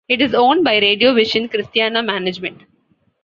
It is owned by Radio Vision Cristiana Management.